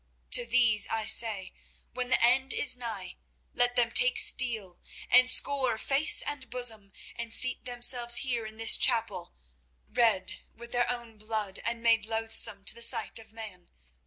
To these I say, when the end is nigh, let them take steel and score face and bosom and seat themselves here in this chapel, red with their own blood and made loathsome to the sight of man.